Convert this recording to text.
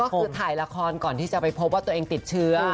คือถ่ายละครก่อนที่จะไปพบว่าตัวเองติดเชื้อ